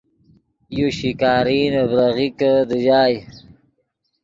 یو شکاری نے بریغیکے دیژائے